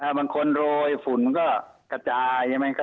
หากบางคนโรยฝุ่นมันก็กระจาย